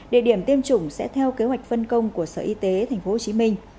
địa điểm tiêm chủng sẽ theo kế hoạch phân công của sở y tế tp hcm